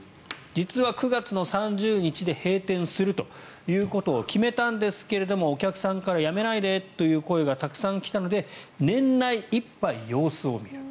実は９月３０日で閉店するということを決めたんですがお客さんからやめないでという声がたくさん来たので年内いっぱい様子を見る。